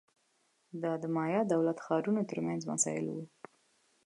دا د مایا دولت ښارونو ترمنځ مسایل وو